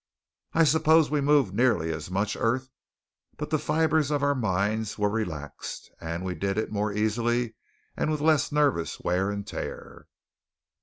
I suppose we moved nearly as much earth, but the fibres of our minds were relaxed, and we did it more easily and with less nervous wear and tear.